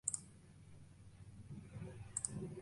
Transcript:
Unos pocos miles eligieron hacerlo.